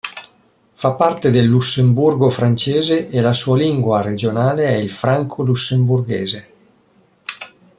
Fa parte del Lussemburgo francese e la sua lingua regionale è il franco-lussemburghese.